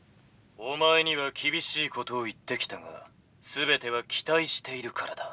「お前には厳しいことを言ってきたが全ては期待しているからだ」。